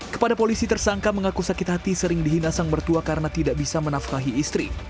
kepada polisi tersangka mengaku sakit hati sering dihina sang mertua karena tidak bisa menafkahi istri